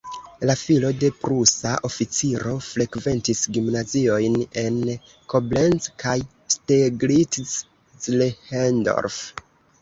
La filo de prusa oficiro frekventis gimnaziojn en Koblenz kaj Steglitz-Zehlendorf.